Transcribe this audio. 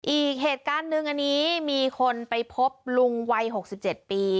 อีกเหตุการณ์หนึ่งอันนี้มีคนไปพบลุงวัย๖๗ปี